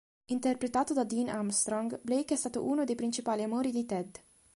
Interpretato da Dean Armstrong, Blake è stato uno dei principali amori di Ted.